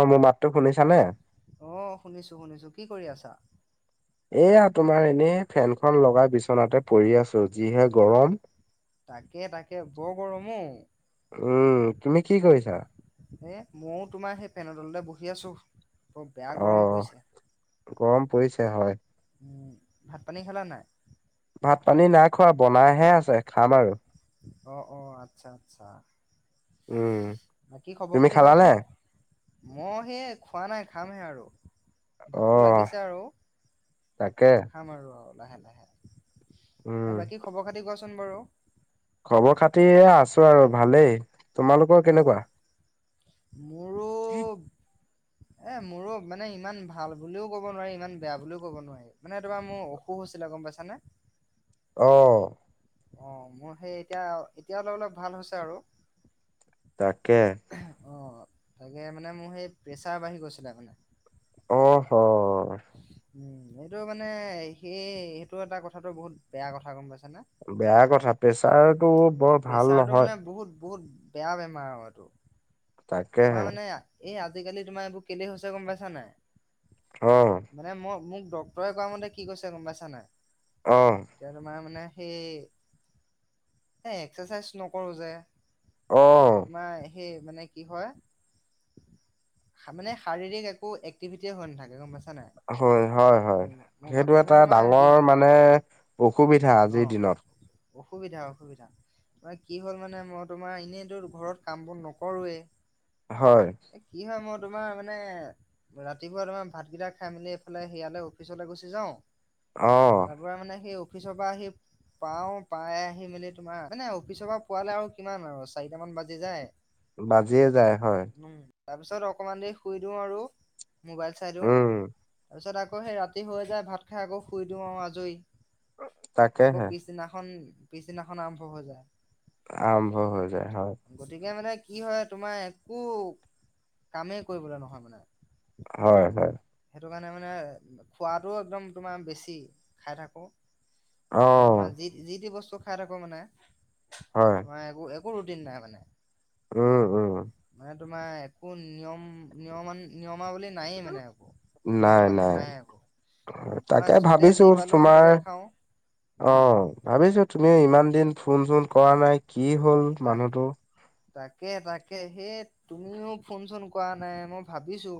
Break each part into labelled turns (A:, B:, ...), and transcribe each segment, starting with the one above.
A: হয়, মোৰ মাতটো শুনিছা।
B: অ' শুনিছো, শুনিছো কি কৰি আছা।
A: এয়া তোমাৰ এনেই ফেনখন লগাই বিচনাতে পৰি আছোঁ, যিহে গৰম।
B: তাকে তাকে বৰ গৰমো
A: উম তুমি কি কৰিছা?
B: এ মইো তোমাৰ সেই ফেনতলতে বহি আছোঁ। বৰ বেয়া
A: অ
B: গৰম পৰিছে।
A: গৰম পৰিছে হয়।
B: উম, ভাত পানী খালা নাই।
A: ভাত পানী নাইখোৱা বনাইহে আছে, খাম আৰু।
B: অ' অ' আচ্ছা, আচ্ছা।
A: উম
B: বাকি খবৰ
A: তুমি
B: খাতি
A: খালানে?
B: কোৱাচোন। মই সেই খোৱা নাই খামহে আৰু
A: অ
B: ভোকতো লাগিছে আৰু
A: তাকে
B: খাম আৰু আৰু লাহে লাহে
A: উম
B: এই বাকী খবৰ খাতি কোৱাচোন বাৰু।
A: খবৰ খাতি আছো আৰু ভালেই। তোমালোকৰ কেনেকুৱা?
B: মোৰৰ এ মোৰো মানে ইমান ভাল বুলিও ক'ব নোৱাৰি। ইমান বেয়া বুলিও ক'ব নোৱাৰি। মানে তোমাৰ মোৰ অসুখ হৈছিলে গ'ম পাইছানে।
A: অ'
B: অ' মোৰ সেই এতিয়া এতিয়া অলপ অলপ ভাল হৈছে আৰু।
A: তাকে
B: অ' তাকে মানে মোৰ সেই প্ৰেছাৰ বাঢ়ি গৈছিলে ত মানে।
A: অহ' হৰ
B: উম, এইটো মানে সেই সেইটো এটা কথাটো বহুত বেয়া কথা গ'ম পাইছানে।
A: বেয়া কথা প্ৰেচাৰতটো বৰ ভাল
B: প্ৰেছাৰটো মানে
A: নহয়।
B: বহুত বহুত বেয়া বেমাৰ আৰু এইটো তোমাৰ
A: তাকেহে
B: মানে এই আজিকালি তোমাৰ এইবোৰ কেলে হৈছে গ'ম পাইছা নাই।
A: অ'
B: মানে মই মোক ডক্তৰৰে কোৱা মতে কি কৈছে গ'ম পাইছা নাই।
A: অ'
B: এতিয়া তোমাৰ মানে সেই এ এক্সাৰচাইজ নকৰো যে।
A: অ'
B: তোমাৰ সেই মানে কি হয়। মানে শাৰীৰিক একো এক্টিভিটি হৈ নাথাকে গ'ম পাইছা নাই।
A: হয়, হয়, হয়।
B: মোৰ মোৰ
A: সেইটো
B: ভাগৰ মানে
A: এটা
B: তোমাৰ দিন
A: ডাঙৰ মানে অসুবিধা আজিৰ
B: অ'।
A: দিনত।
B: অসুবিধা, অসুবিধা। তোমাৰ কি হ'ল মানে মই তোমাৰ এনেইতো ঘৰত কাম বন নকৰোৱেই।
A: হয়।
B: এ কি হয় মই তোমাৰ মানে ৰাতিপুৱা তোমাৰ ভাতকেইটা। খাই মেলি এইফালে সেয়ালৈ অফিচলৈ গুচি যাওঁ।
A: অ'
B: তাৰ পৰাৰা মানে সেই অফিচৰ পৰা আহি পাওঁ পাই আহি মেলি তোমাৰ এনে অফিচৰ পৰা পোৱালে আৰু কিমান আৰু চাৰিটামান বাজি যায়।
A: বাজিয়ে যায় হয়।
B: উম, তাৰ পিছত অকমান দেৰি শুই দিওঁ আৰু মোবাইল চাই দিওঁ।
A: উম
B: তাৰ পিছত আকৌ সেই ৰাতি হৈ যায় ভাত খাই আকৌ শুই দিওঁ আৰু আজৰি আকৌ
A: তাকেহে
B: পিছ পিছদিনাখন পিছদিনাখন আৰম্ভ হৈ যায়।
A: আৰম্ভ হৈ যায় হয়
B: গতিকে মানে কি হয় তোমাৰ একো কামেই কৰিবলৈ নহয় মানে।
A: হয়, হয়।
B: সেইটো কাৰণে মানে খোৱাটো একদম তোমাৰ বেছি খাই থাকোঁ
A: অ
B: আকৌ তোমাৰ যি যি টি বস্তু খাই থাকো মানে।
A: হয়।
B: হয়, এইবোৰ একো একো ৰুটিন নাই মানে।
A: উম, উম।
B: মানে তোমাৰ একো নিয়ম নিয়ম নিয়মাৱলী নায়ে মানে একো। নিয়ম
A: নাই
B: কানুন
A: নাই
B: একো অ তোমাৰ
A: তাকে
B: য'তে
A: ভাবিছো
B: যি পালো
A: তোমাৰ।
B: সেইটোকে খাওঁ উম।
A: অ' ভাবিছো তুমিও ইমান দিন ফোন চোন কৰা নাই কি হ'ল
B: তাক
A: মানুহটো।
B: তাকে তাকে সেই তুমিও ফোন চোন কৰা নাই মই ভাবিছো।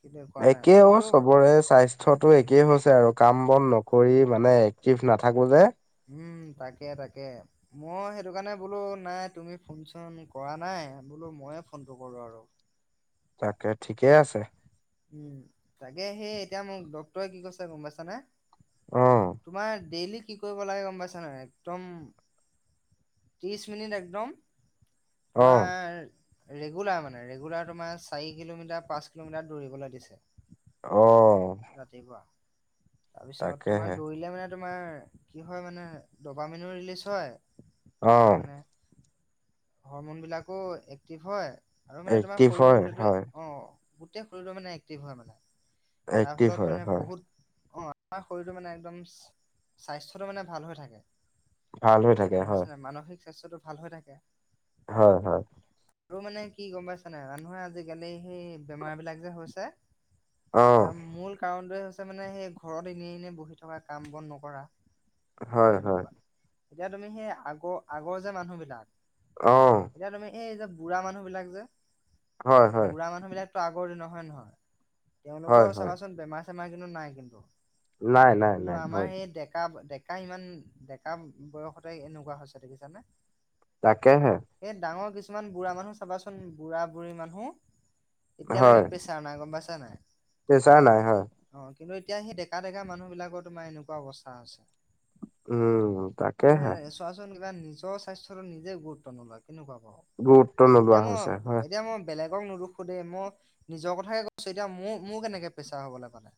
B: কিন্তু কৰা নাই
A: একে অ'
B: কিন্তু
A: চবৰে চাই। স্বাস্থ্যটো একেই হৈছে আৰু কাম বন নকৰি মানে এক্টিভ নাথাকো যে।
B: উম, তাকে তাকে মই সেইটো কাৰণে বোলো নাই তুমি ফোন চোন কৰা নাই বোলো মইয়ে ফোনটো কৰো আৰু
A: তাকে ঠিকেই আছে।
B: উম, তাকে সেই এতিয়া মোক ডক্তৰে কি কৈছে গ'ম পাইছানে।
A: অ
B: তোমাৰ ডেইলি কি কৰিব লাগে গ'ম পাইছা নাই একদম ত্ৰিশ মিনিট একদম
A: অ',
B: তোমাৰ ৰেগুলাৰ মানে ৰেগুলাৰ তোমাৰ চাৰি কিলোমিটাৰ পাঁচ কিলোমিটাৰ দৌৰিবলৈ দিছে
A: অ
B: ৰাতিপুৱা তাৰপিছত তোমাৰ
A: তাকেহে
B: দৌৰিলে মানে তোমাৰ কি হয় মানে দপামেনো ৰিলিজ হয় তোমাৰ
A: অ',
B: মানে হৰমনবিলাকো এক্টিভ হয় আৰু মানে তোমাৰ
A: এক্টিভ
B: শৰীৰটো
A: হয়,
B: গোটেইটো
A: হয়।
B: অ [unintelligible] শৰীৰৰ মানে এক্টিভ হয় মানে তাৰ
A: এক্টিভ
B: ফলত
A: হয়,
B: মানে
A: হয়,
B: বহুত অ আমাৰ শৰীৰটো মানে একদম স্বাস্থ্যটো মানে ভাল হৈ থাকে
A: ভাল হৈ থাকে
B: গম পাইছ
A: হয়,
B: নাই মানসিক স্বাস্থ্যটো ভাল হৈ থাকে
A: হয় হয়
B: আৰু মানে কি গম পাইছ‌ নাই মানুহে আজিকালি সেই বেমাৰ বিলাক যে হৈছে
A: অ',
B: তাৰ মূল কাৰণটোৱে হৈছে মানে সেই ঘৰত এনে এনেই বহি থকা কাম বন নকৰা
A: হয়,
B: সেই
A: হয়,
B: তেনেকুৱা এতিয়া তুমি সেই আগৰ আগৰ যে মানুহবিলাক
A: অ
B: এতিয়া তুমি এই যে বুঢ়া মানুহ বিলাক যে
A: হয়, হয়,
B: বুঢ়া মানুহ বিলাক [unintelligible] আগৰ দিনৰ হয়নে নহয়
A: হয়,
B: তেওঁলোকৰ
A: হয়,
B: চাবাচোন বেমাৰ চেমাৰ কিন্তু নাই কিন্তু
A: নাই, নাই,
B: কিন্তু
A: নাই,
B: আমাৰ
A: হয়,
B: সেই ডেকা ডেক [unintelligible] ডেকা ইমান ডেকা বয়সতে এনেকুৱা হৈছে দেখিছানে
A: তাকেহে,
B: এই, ডাঙৰ কিছুমান বুঢ়া মানুহ চাবাচোন বুঢ়া বুঢ়ী মানুহ এতিয়ালৈকে পেছাৰ নাই গম পাইছানে নাই
A: পেছাৰ নাই হয়।
B: অ', কিন্তু এতিয়া সেই ডেকা ডেকা মানুহ বিলাকৰ তোমাৰ এনেকুৱা অৱস্থা হৈছে ছে
A: উম,
B: মানে
A: তাকেহে
B: চোৱাচোন কিবা নিজৰ স্বাস্থটোৰ নিজে গুৰুত্ব নলয় কেনেকুৱা [unintelligible]
A: গুৰুত্ব নোলোৱা
B: এতিয়া ম,
A: হৈছে হয়।
B: এতিয়া ম বেলেগক নুদোখো দেই, মই নিজৰ কথাকে কৈছো এতিয়া মোৰ মোৰ কেনেকে প্ৰেছাৰ হবলৈ পালে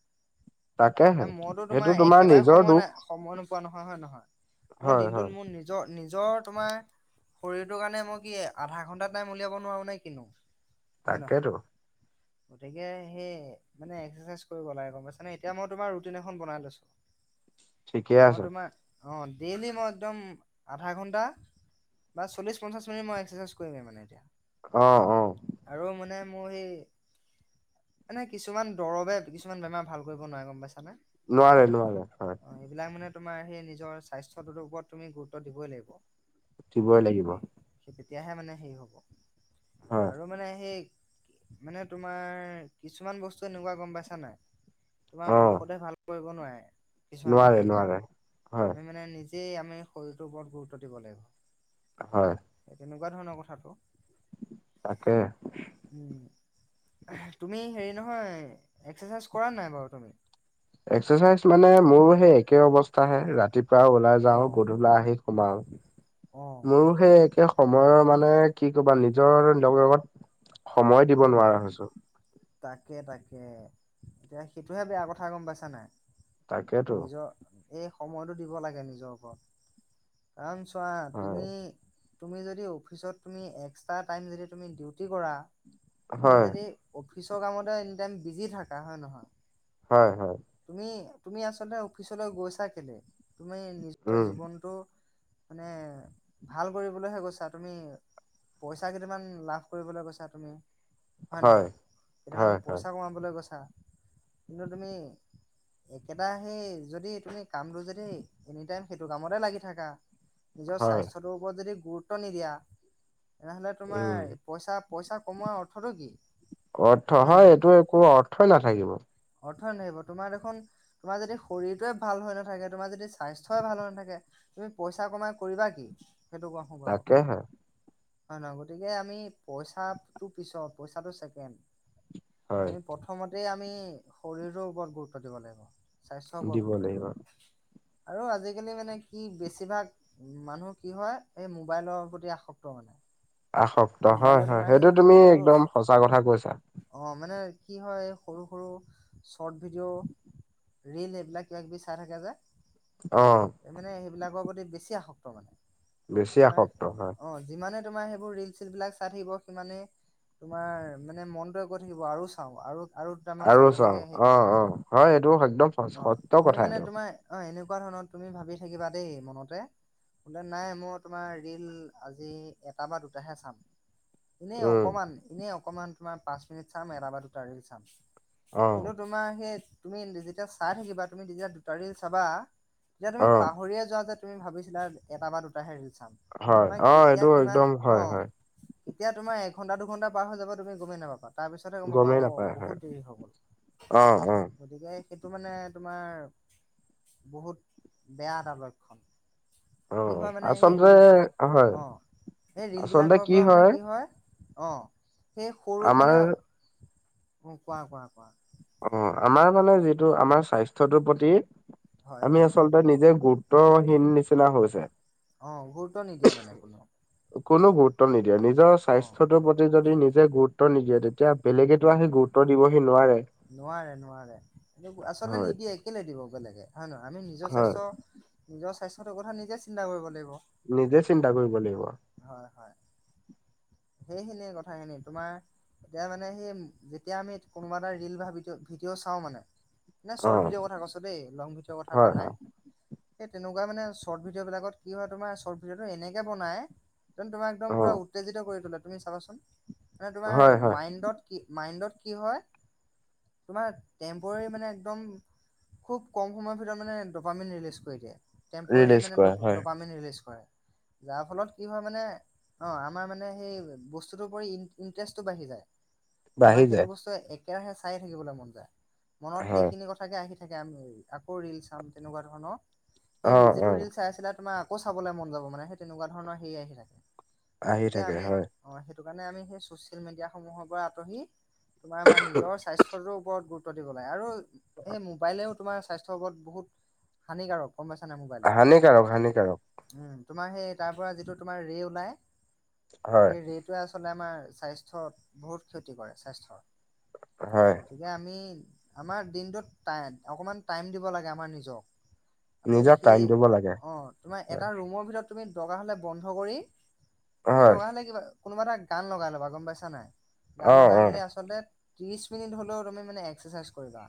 A: তাকেহে
B: এতিয়া, মইতো তোমাৰ
A: সেইটো
B: একেবাৰে
A: নিজৰ
B: সময়
A: দুখ
B: নাই সময় ন [unintelligible] [unintelligible] হয় নহয় মই
A: হয়,
B: দিনটোত
A: হয়,
B: মোৰ নি [unintelligible] নিজ নিজৰ তোমাৰ শৰীৰটোৰ কাৰণে, মই কি আধা ঘণ্টা টাইম উলিয়াব নোৱাৰোঁ নে কিনো
A: তাকেতো।
B: [inaudible] গতিকে, সেই মানে এক্সাৰচাইজ কৰিব লাগে গম পাইছ নে এতিয়া মই তোমাৰ ৰুটিন এখন বনাই লৈছো
A: ঠিকে
B: মই,
A: আছে
B: তোমাৰ অ, ডেইলি মই একদম আধা ঘণ্টা বা, চল্লিচ পঞ্চাচ মিনিট মই এক্সৰচাইজ কৰিমেই মানে এতিয়া
A: অ, অ,
B: আৰু, মানে মোৰ সেই এনে, কিছুমান দৰৱে কিছুমান বেমাৰ ভাল কৰিব নোৱাৰে গম পাইছানে
A: নোৱাৰে নোৱাৰে হয়।
B: অ, এইবিলাক মানে তোমাৰ সেই নিজৰ স্বাস্থ্যটোৰ ওপৰত তুমি গুৰুত্ব দিবই লাগিব
A: দিবই লাগিব
B: [unintelligible] তেতিয়াহে মানে সেই হ'ব
A: হয়।
B: ত মানে, সেই মানে তোমাৰ কিছুমান বস্তু এনেকুৱা গম পাইছা নাই তোমাৰ
A: অ',
B: ঔষধে ভাল কৰিব নোৱাৰে, কিছুমান
A: নোৱাৰে,
B: বেমাৰ
A: নোৱাৰে হয়।
B: তুমি মানে নি [unintelligible] [unintelligible] আমি শৰীৰটোৰ ওপৰত গুৰুত্ব দিব লাগিব।
A: হয়।
B: [unintelligible] তেনেকুৱা ধৰণৰ কথাটো
A: তাকে,
B: উম, তুমি হেৰি নহয়, এক্সাৰচাইজ কৰানে নাই বাৰু তুমি
A: এক্সাৰচাইজ মানে, মোৰো সেই একে অৱস্থাহে ৰাতি [unintelligible] [unintelligible] ওলাই যাও
B: অঁ
A: গধূলা আহি সোমাও
B: অঁ
A: মোৰো [unintelligible] সেই একে সময়ৰ মানে কি কবা নিজৰ লগে লগত সময় দিব
B: উম
A: নোৱাৰা হৈছো
B: তাকে, তাকে, এতিয়া সেইটোহে বেয়া কথা গম পাইছা নাই
A: তাকেতো
B: নিজৰ এই সময়তটো দিব লাগে, নিজৰ ওপৰত কাৰণ চোৱা তুমি
A: হয়
B: তুমি যদি অফিচত তুমি এক্সট্ৰা টাইম যদি তুমি ডিউটি কৰা তুমি
A: হয়
B: যদি অফিচৰ কামতে এনি টাইম বিজি থাককা হয়ে নহয়
A: হয়, হয়
B: তুমি তুমি আচলতে অফিচলৈ গৈছা কেলৈ, তুমি নিজৰ
A: উম
B: জীৱনটো মানে ভাল কৰিবলৈহে গৈছা তুমি পইচা কেইটমান লাভ কৰিবলৈ গৈছা তুমি হয়ে
A: হয়
B: নহয় কেইটামান
A: হয় হয়
B: পইচা কমাবলৈ গৈছা, কিন্তু তুমি একেটা সেই, যদি তুমি কামটো যদি এনি টাইম সেইটো কামতে লাগি থাকা নিজৰ
A: হয়
B: স্বাস্থ্যটোৰ ওপৰত যদি গুৰুত্ব নিদিয়া তেনেহলে
A: উম
B: তোমাৰ পইচা পইচা কমোৱাৰ অৰ্থটো কি?
A: অৰ্থ হয়, এইটো একো অৰ্থই নাথাকিব
B: অৰ্থ ন আহিব তোমাৰ দেখোন তোমাৰ যদি শৰীৰটোৱে ভাল হৈ নাথাকে, তোমাৰ যদি স্বাস্থ্যয়ই ভাল হৈ নাথাকে তুমি পইচা কমাই কৰিবা কি সেইটো কো বাৰু হয়ে
A: তাকেহে
B: নহয়, গতিকে আমি পইচাটো পিছত পইচাটো ছেকেণ্ড
A: হয়
B: আমি প্ৰথমতে আমি শৰীৰৰটো ওপৰত গুৰুত্ব দিব লাগিব। স্বাস্থ্যৰ ওপৰত গুৰুত্ব দিব লাগে, আৰু আজিকালি মানে কি বেছিভাগ উম মানুহ কি হয় এই মোবাইলৰ প্ৰতি আসক্ত মানে।
A: আসক্ত হয়,
B: মোবাইলত
A: হয়,
B: তোমাৰ
A: সেইটো
B: সেই
A: তুমি
B: সৰু সৰু
A: একদম সঁচা কথা কৈছা।
B: অ' মানে কি হয় সৰু সৰু। চৰৰ্ট ভিডিঅ' ৰিল এইবিলাক কিবাকিবি চাই থাকে যে
A: অ'
B: মানে সেইবিলাকৰ প্ৰতি বেছি আসক্ত মানে
A: বেছি
B: তোমাৰ
A: আসক্ত হয়
B: অ' যিমানে তোমাৰ সেইবোৰ ৰিল চিল বিলাক চাই থাকিব সিমানে তোমাৰ মানে মনতোৱে কয় থাকিব আৰু চাওঁ আৰু আৰু দুটামান চাওঁ। চাওঁ তেনেকে হে
A: অ
B: কৰি থাকিব
A: অ হয় এইটো একদম স-
B: অ'
A: সত্য কথা
B: তুমি মানে
A: এইটো
B: তোমাৰ। অ' এনেকুৱা ধৰণৰ তুমি ভাবি থাকিবা দেই মনতে বোলে নাই মই তোমাৰ ৰিল আজি এটা বা দুটাহে চাম। এনেই
A: উম
B: অকমান এনেই অকমান তোমাৰ পাঁচ মিনিট চাম এটা বা দুটা ৰিল চাম।
A: অ
B: কিন্তু তোমাৰ সেই তুমি যেতিয়া চাই থাকিবা তুমি যেতিয়া দুটা ৰিল চাবা। যেতিয়া তুমি
A: অ
B: পাহৰিয়ে যোৱা যে তুমি ভাবিছিলা এটা বা দুটাহে ৰিল চাম।
A: হয়
B: তোমাৰ
A: অ
B: কেতিয়া
A: এইটো
B: কিমান
A: একদম হয়
B: অ'
A: হয়
B: কেতিয়া তোমাৰ এঘণ্টা দুঘণ্টা পাৰ হৈ যাব, তুমি গমেই নাপাবা, তাৰ পিছতহে গ'ম
A: গমেই
B: পাবা অ'
A: নাপায় হয়
B: বহুত দেৰি হৈ গ'ল।
A: অ' অ'
B: গতিকে সেইটো মানে তোমাৰ বহুত বেয়া এটা লক্ষণ।
A: অ
B: কি হয় মানে, সেই
A: আচলতে
B: ৰিল
A: হয়
B: অ' এই ৰিল বিলাকৰ পৰা মানে কি হয়। অ' সেই সৰু
A: আমাৰ
B: মানে অ' কোৱা কোৱা কোৱা।
A: অ' আমাৰ মানে যিটো আমাৰ স্বাস্থ্য টোৰ প্ৰতি।
B: হয়
A: আমি
B: হয়
A: আচলতে নিজে গুৰুত্বহীন নিচিনা হৈছে।
B: অ' গুৰুত্ব নিদিয়ে মানে কোনো।
A: কোনো গুৰুত্ব নিদিয়ে নিজৰ
B: অ
A: স্বাস্থ্যটোৰ প্ৰতি যদি নিজে গুৰুত্ব। গুৰুত্ব নিদিয়ে, তেতিয়া
B: উম
A: বেলেগেতো আহি গুৰুত্ব দিবহি নোৱাৰে।
B: নোৱাৰে নোৱাৰে আচলতে
A: হয়
B: নিদিয়ে। কেলে দিব বেলেগে হয় নে নহয় আমি নিজৰ
A: হয়
B: স্বাস্থ্য। নিজৰ স্বাস্থ্যটোৰ কথা নিজে চিন্তা কৰিব লাগিব।
A: নিজে চিন্তা কৰিব লাগিব।
B: হয়, হয়। সেইখিনিয়ে কথাখিনি তোমাৰ। যেতিয়া মানে সেই যেতিয়া আমি কোনোবা এটা ৰিল বা ভি ভিডিঅ' চাওঁ মানে। নাই
A: অ
B: চৰৰ্ট ভিডিঅ' কথা কৈছোঁ দেই লং ভিডিঅ' কথা কোৱা
A: হয় হয়
B: নাই। সেই তেনেকুৱা মানে চৰৰ্ট ভিডিঅ' বিলাকত কি হয় তোমাৰ চৰৰ্ট ভিডিঅ'টো এনেকে বনাই। যেন তোমাক একদম
A: অ
B: পোৰা উত্তেজিত কৰি তোলে তুমি চাবাচোন মানে তোমাৰ
A: হয় হয়
B: মাইণ্ডত। কি মাইণ্ডত কি হয়, তোমাৰ টেম্পৰাৰী মানে একদম। খুব কম সময়ৰ ভিতৰত মানে ডপামিন ৰিলিজ কৰি দিয়ে। টেম্পৰাৰী
A: ৰিলিজ কৰে হয়
B: ড-ডপামেন ৰিলিজ কৰে, যাৰ ফলত কি হয় মানে অ' আমাৰ মানে সেই বস্তুটোৰ প্ৰতি ইণ্টাৰেষ্টটো বাঢ়ি যায়,
A: বাঢ়ি
B: আমাৰ
A: যায়
B: সেইটো বস্ত একেৰাহে চাই থাকিবলৈ মন যায়, মনত
A: হয়
B: সেইখিনি কথা। থাকে আহি থাকে আমি আকৌ ৰিল চাম তেনেকুৱা ধৰণৰ
A: অ
B: সেই
A: অ
B: যিটো ৰিল চাই আছিলা তোমাৰ। আকৌ চাবলৈ মন যাবানে সেই তেনেকা ধৰণৰ হেৰি আহি থাকে।
A: আহি
B: গতিকে
A: থাকে
B: আমি
A: হয়
B: অ' সেইটো কাৰণে আমি সেই চচিয়েল মিডিয়াস সমূহৰ পৰা আঁতহি। তোমাৰ আমাৰ নিজৰ স্বাস্থ্যটোৰ ওপৰত গুৰুত্ব দিব লাগে আৰু সেই মোবাইলেও। তোমাৰ স্বাস্থ্যৰ ওপৰত বহুত হানিকাৰক। গ'ম পাইছানে নাই মোবাইল।
A: হানিকাৰক, হানিকাৰক।
B: উম, তোমাৰ সেই তাৰ পৰা যিটো তোমাৰ ৰে ওলাই।
A: হয়
B: এই ৰেটোৱে আচলতে আমাৰ স্বাস্থ্যত বহুত ক্ষতি কৰে স্বাস্থ্যৰ
A: হয়
B: গতিকে আমি আমাৰ দিনটোত অকণমান টাইম দিব লাগে আমাৰ নিজক আমি
A: নিজক টাইম
B: সেই
A: দিব লাগে
B: অ, তোমাৰ
A: হয়
B: এটা ৰুমৰ ভিতৰত তুমি দকাৰ হ'লে বন্ধ কৰি তুমি
A: হয়
B: দগা হ'লে কিবা কোনোবা এটা গান লগাই ল'বা গম পাইছা নাই গান
A: অ
B: লগাই
A: অ
B: মেলি আচলতে ত্ৰিশ মিনিট হলেও তুমি মানে এক্সাৰচাইজ কৰিবা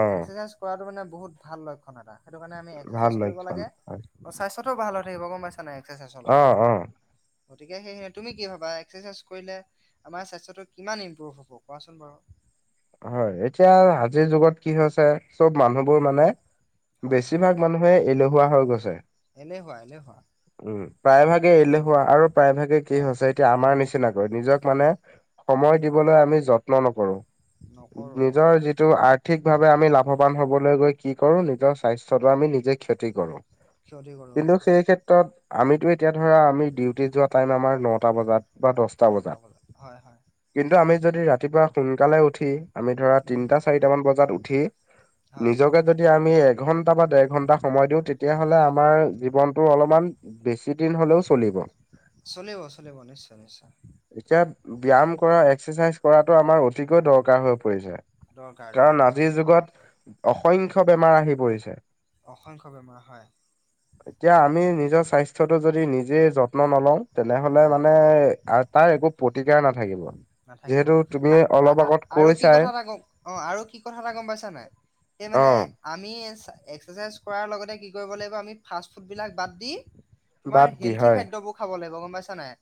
A: অ
B: এক্সাৰচাইজ কৰাটো মানে বহুত ভাল লক্ষণ এটা সেইটো কাৰণে আমি
A: ভাল
B: এক্সাৰচাইজ কৰিব
A: লক্ষণ
B: লাগে
A: হয়
B: অ, স্বাস্থ্যটো ভাল হৈ থাকিব গম পাইছ নাই এক্সাৰচাইজৰ
A: অ
B: লগত
A: অ
B: গতিকে, সেইহে তুমি কি ভাবা এক্সাৰচাইজ কৰিলে আমাৰ স্বাস্থ্যটো কিমান ইম্প্ৰুভ হ'ব কোৱাচোন বাৰু
A: হয়, এতিয়া আজিৰ যুগত কি হৈছে চব মানুহবোৰ
B: উম,
A: মানে
B: হয়,
A: বেছিভাগ মানুহে এলেহুৱা হৈ গছে
B: এলেহুৱা, এলেহুৱা
A: উম, প্ৰায়ভাগে
B: উম,
A: এলেহুৱা আৰু প্ৰায় ভাগে কি
B: হয়।
A: হৈছে এতিয়া আমাৰ নিচিনাকৈ নিজক মানে, সময়
B: উম,
A: দিবলৈ আমি যত্ন নকৰো
B: নকৰোঁ অ',
A: নিজৰ যি আৰ্থিকভাৱে আমি লাভবান হবলৈ গৈ কি কৰো নিজৰ স্বাস্থ্যটো আমি নিজে ক্ষতি কৰো
B: ক্ষতি কৰোঁ
A: কিন্তু
B: হয়,
A: সেই ক্ষেত্ৰত আমিতো, এতিয়া ধৰা আমি ডিউটি যোৱা টাইম আমাৰ নটা বজাত বা দহ
B: নটা বজাত, হয় হয়
A: কিন্তু আমি যদি ৰাতিপুৱা সোনকালে উঠি আমি ধৰা
B: উম,
A: তিনটা চাৰিটা মান বজাত উঠি
B: হয়,
A: নিজকে যদি আমি এঘন্টা বা দেৰ ঘন্টা সময় দিও তেতিয়াহলে আমাৰ
B: উম,
A: জীৱনতটো অলপমান বেছি দিন হলেও চলিব
B: চলিব, চলিব, নিশ্চয়, নিশ্চয়
A: এতিয়া, ব্যায়াম কৰা এক্সাৰচাইজ কৰাটো আমাৰ অতিকৈ দৰকাৰ হৈ পৰিছে
B: দৰকাৰ
A: কাৰণ,
B: দৰকাৰ
A: আজিৰ যুগত অসংখ্য বেমাৰ আহি পৰিছে
B: অসংখ্য বেমাৰ হয়
A: এতিয়া, আমি নিজৰ স্বাস্থ্যটো যদি নিজে যত্ন নলওঁ তেনেহলে
B: হয়।
A: মানে, তাৰ একো প্ৰতিকাৰ নাথাকিব
B: নাথাকিব
A: যিহেতু তুমি অলপ আগত
B: আৰু কি
A: কৈছাই
B: কথা এটা, গম অ, আৰু কি কথা এটা গম পাইছা নাই সেই
A: অ
B: মানে আমি এক্সাৰচাইজ কৰাৰ লগতে কি কৰিব লাগিব, আমি ফাষ্ট ফুডবিলাক বাদ দি- তোমাৰ
A: বাদ দি
B: হেল্থি
A: হয়
B: খাদ্যযবোৰ খাব লাগিব, গম পাইছা নাই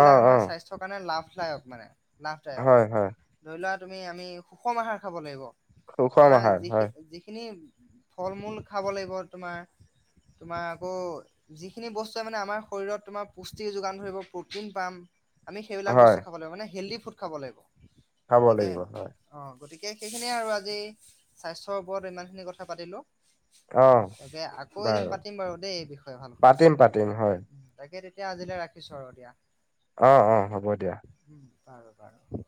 A: অ অ
B: আমাৰ স্বাস্থ্যৰ কাৰণে লাভদায়ক মানে লাভদায়ক,
A: হয় হয়
B: ধৰি লোৱা তুমি আমি সুষম আহাৰ খাব লাগিব
A: সুষম
B: তোমাৰ
A: আহাৰ হয়
B: যিখিন -যিখিনি ফল -মূল খাব লাগিব তোমাৰ তোমাৰ আকৌ যিখিনি বস্তুৱে মানে, আমাৰ শৰীৰত তোমাৰ পুষ্টি যোগান ধৰিব প্ৰ'টিন পাম আমি সেইবিলাক
A: হয়
B: বস্তু খাব লাগিব মানে, হেল্ডি ফুড খাব লাগিব
A: খাব
B: গতিকে
A: লাগিব হয়
B: অ', গতিকে সেইখিনিয়ে আৰু আজি স্বাস্থ্যৰ ওপৰত ইমান খিনি কথা পাতিলো
A: অ
B: তাকে, আকৌ এদিন
A: বাৰু
B: পাতিম বাৰু দেই এই বিষয়ে ভালকৈ
A: পাতিম পাতিম হয়
B: তাকে, তেতিয়া আজিলৈ ৰাখিছোঁ আৰু দিয়া
A: অ', অ', হ'ব দিয়া
B: উম, বাৰু বাৰু